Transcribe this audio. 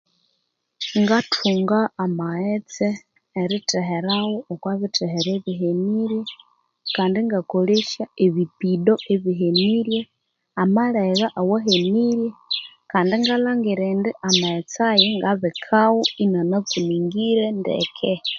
Ngathunga amaghetse eritheheragho okwa bithehero ebihenirye, kandi ingakolesya ebipido ebiheniry, amalegha awahenirye kandi ingalhangira indi amaghetse ayi ngabikawo inana kuningire ndeke.